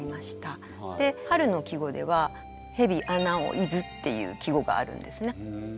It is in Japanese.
春の季語では「蛇穴を出づ」っていう季語があるんですね。